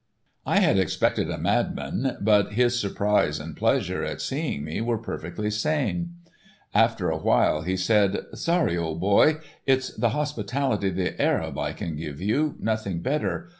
I had expected a madman, but his surprise and pleasure at seeing me were perfectly sane. After awhile he said: "Sorry, old boy. It's the hospitality of the Arab I can give you; nothing better.